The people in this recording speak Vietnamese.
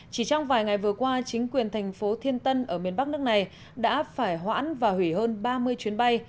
chỉ trong vài ngày vừa qua chính quyền thành phố thiên tân ở miền bắc nước này đã phải hoãn và hủy hơn ba mươi chuyến bay